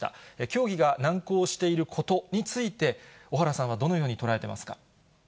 協議が難航していることについて、小原さんはどのようにとらえていますか。